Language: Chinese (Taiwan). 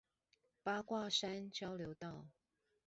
八卦山交流道